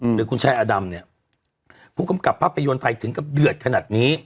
หรือคุณชายอดำเนี่ยผู้กำกับภาพยนตร์ไทยถึงกับเดือดขนาดนี้